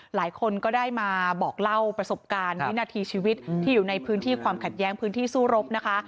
หลายคนก็ได้มาบอกเล่าประสบการณ์วินาทีชีวิตที่อยู่ในพื้นที่ความขัดแย้งพื้นที่สู้รบนะคะ